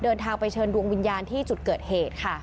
เดินทางไปเชิญดวงวิญญาณที่จุดเกิดเหตุค่ะ